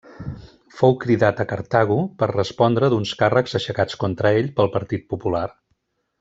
Fou cridat a Cartago per respondre d'uns càrrecs aixecats contra ell pel partit popular.